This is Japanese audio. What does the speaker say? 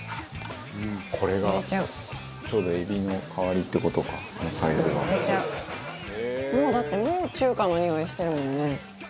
「これがちょうどエビの代わりって事かこのサイズが」だってもう中華のにおいしてるもんね。